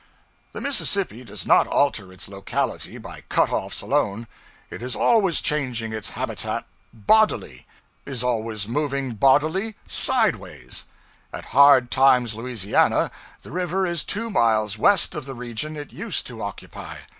The Mississippi does not alter its locality by cut offs alone: it is always changing its habitat bodily is always moving bodily sidewise. At Hard Times, La., the river is two miles west of the region it used to occupy.